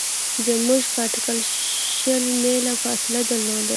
زموږ په اټکل شل میله فاصله درلوده.